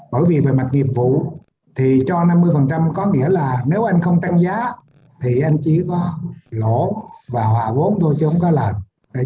bởi vì về mặt nghiệp vụ thì cho năm mươi có nghĩa là nếu anh không tăng giá thì anh chỉ có lỗ và hòa vốn thôi chốn có làm